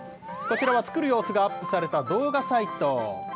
こちらは作る様子がアップされた動画サイト。